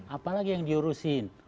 apalagi yang diurusin